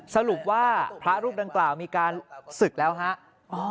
สรุปว่าพระรูปดังกล่าวมีการศึกแล้วฮะ